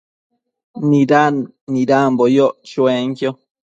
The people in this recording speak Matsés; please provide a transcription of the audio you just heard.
Nadimbo yoc chuenquio